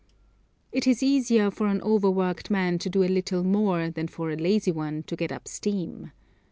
It is easier for an over worked man to do a little more than for a lazy one to get up steam.